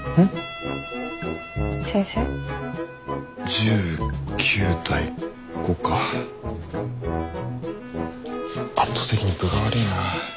１９対５か圧倒的に分が悪いな。